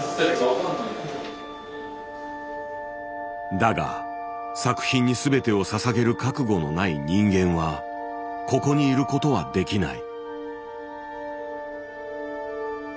だが作品に全てをささげる覚悟のない人間はここにいることはできない。